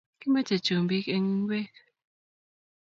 Kimache chumbik en igwek